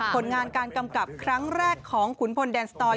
ผลงานการกำกับครั้งแรกของขุนพลแดนสตอย